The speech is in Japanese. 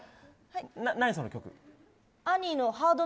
何、その曲？